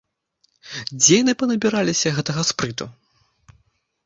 Дзе яны панабіраліся гэткага спрыту!